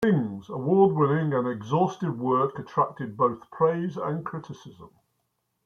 King's award-winning and exhaustive work attracted both praise and criticism.